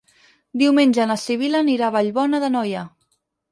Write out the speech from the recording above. Diumenge na Sibil·la anirà a Vallbona d'Anoia.